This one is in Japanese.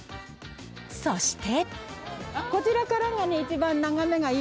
そして。